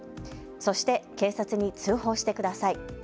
そして警察に通報してください。